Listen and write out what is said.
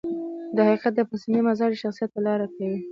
د حقيقت پسندي مزاج يې شخصيت ته لاره کوي.